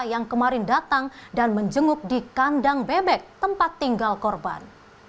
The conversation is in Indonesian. yang kemarin datang dan menjenguk di kandang bebek tempat tinggal korban